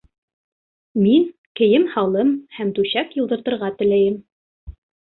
Мин кейем-һалым һәм түшәк йыуҙыртырға теләйем